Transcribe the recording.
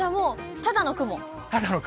ただの雲。